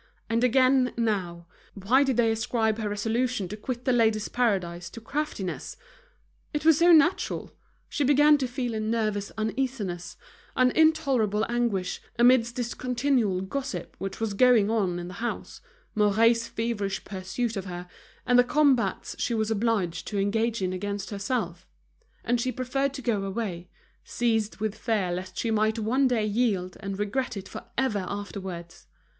And again, now, why did they ascribe her resolution to quit The Ladies' Paradise to craftiness? It was so natural! She began to feel a nervous uneasiness, an intolerable anguish, amidst this continual gossip which was going on in the house, Mouret's feverish pursuit of her, and the combats she was obliged to engage in against herself; and she preferred to go away, seized with fear lest she might one day yield and regret it forever afterwards.